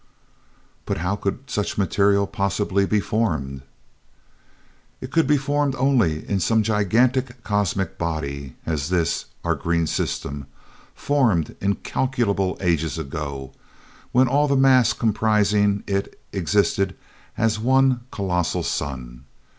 "But how could such material possibly be formed?" "It could be formed only in some such gigantic cosmic body as this, our green system, formed incalculable ages ago, when all the mass comprising it existed as one colossal sun.